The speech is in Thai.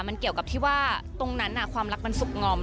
มันเกี่ยวกับที่ว่าตรงนั้นความรักมันสุขงอม